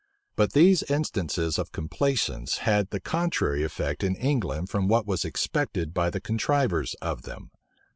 But these instances of complaisance had the contrary effect in England from what was expected by the contrivers of them.